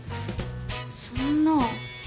そんな。